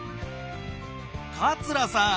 桂さん！